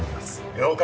了解！